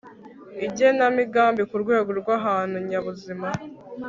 igenamigambi ku rwego rw ahantu nyabuzima